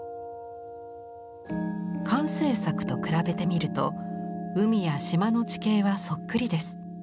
完成作と比べてみると海や島の地形はそっくりです。